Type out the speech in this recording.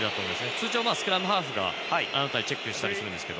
通常、スクラムハーフがあの辺りはチェックしたりするんですが。